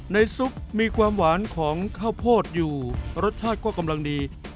ซุปมีความหวานของข้าวโพดอยู่รสชาติก็กำลังดี